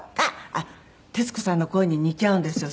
あっ徹子さんの声に似ちゃうんですよ